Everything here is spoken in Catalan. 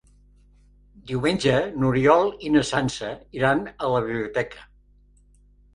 Diumenge n'Oriol i na Sança iran a la biblioteca.